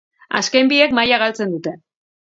Azken biek maila galtzen dute.